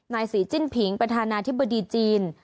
นายศรีจิ้นผิงประธานาธิบดีจีน